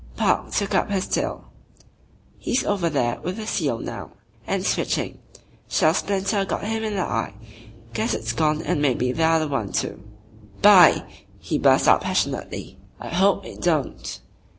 Park took up his tale. "He's over there with the C.O. now," and switching: "Shell splinter got him in the eye. Guess it's gone and maybe the other one too." "By !" he burst out passionately: "I hope it don't.